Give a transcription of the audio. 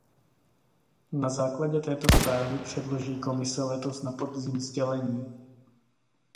Na základě této zprávy předloží Komise letos na podzim sdělení.